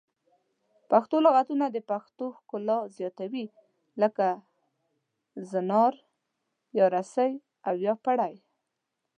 پښتو لغتونه د پښتو ښکلا زیاتوي لکه زنار یا رسۍ او یا پړی